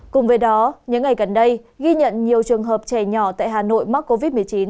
cùng với đó những ngày gần đây ghi nhận nhiều trường hợp trẻ nhỏ tại hà nội mắc covid một mươi chín